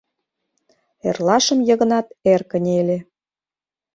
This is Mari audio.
Эрлашым Йыгнат эр кынеле.